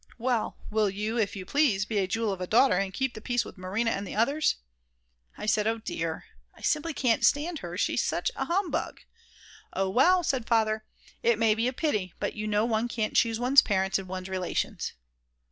"Well, will you, if you please, be a jewel of a daughter, and keep the peace with Marina and the others?" I said: "Oh dear, I simply can't stand her, she's such a humbug!" "Oh well," said Father, "it may be a pity, but you know one can't choose one's parents and one's relations."